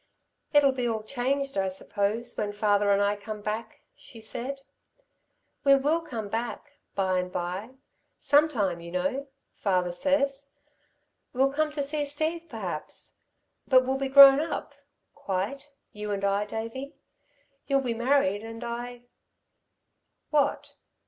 "It'll be all changed, I suppose, when father and I come back," she said. "We will come back, by and by, sometime, you know, father says. We'll come to see Steve, perhaps. But we'll be grown up ... quite, you and I, Davey. You'll be married, and I " "What?"